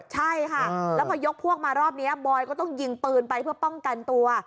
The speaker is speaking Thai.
ใช่ค่ะแล้วพอยกพวกมารอบนี้บอยก็ต้องยิงปืนไปเพื่อป้องกันตัว